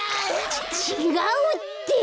ちちがうって！